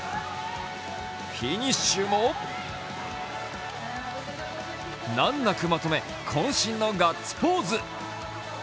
フィニッシュも、難なくまとめこん身のガッツポーズ。